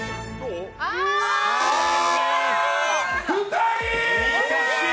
２人！